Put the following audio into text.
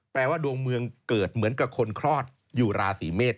แปลว่าดวงเมืองเกิดเหมือนกับคนคลอดอยู่ราศีเมษ